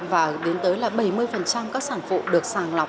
và đến tới là bảy mươi các sản phụ được sàng lọc